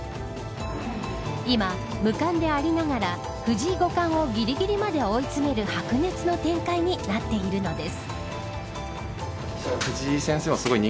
今、無冠でありながら藤井五冠をぎりぎりまで追い詰める白熱の展開になっているのです。